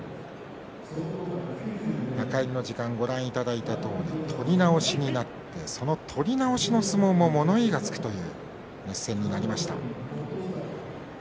中入りの時間にご覧いただいたとおり取り直しになってその取り直しの相撲も物言いがつくという熱戦になりました。